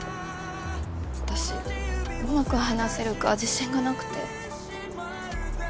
私うまく話せるか自信がなくて。